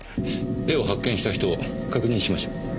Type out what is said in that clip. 絵を発見した人を確認しましょう。